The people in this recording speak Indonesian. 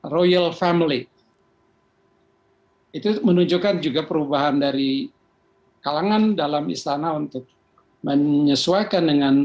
royal family itu menunjukkan juga perubahan dari kalangan dalam istana untuk menyesuaikan dengan